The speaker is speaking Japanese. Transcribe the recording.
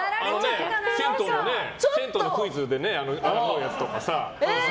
銭湯のクイズで争うやつとかさ。